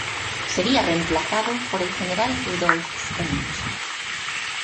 Sería reemplazado por el general Rodolfo Stange.